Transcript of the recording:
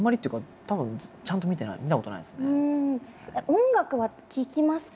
音楽は聴きますか？